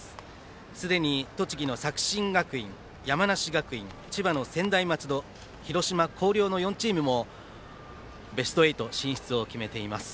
すでに、栃木の作新学院山梨学院、千葉の専大松戸広島・広陵の４チームもベスト８進出を決めています。